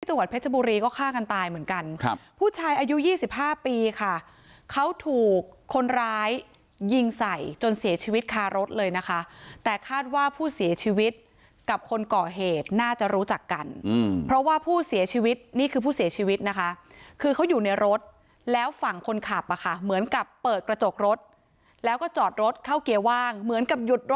จังหวัดเพชรบุรีก็ฆ่ากันตายเหมือนกันครับผู้ชายอายุ๒๕ปีค่ะเขาถูกคนร้ายยิงใส่จนเสียชีวิตคารถเลยนะคะแต่คาดว่าผู้เสียชีวิตกับคนก่อเหตุน่าจะรู้จักกันเพราะว่าผู้เสียชีวิตนี่คือผู้เสียชีวิตนะคะคือเขาอยู่ในรถแล้วฝั่งคนขับอ่ะค่ะเหมือนกับเปิดกระจกรถแล้วก็จอดรถเข้าเกียร์ว่างเหมือนกับหยุด